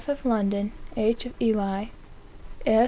of London, H. of Ely, S.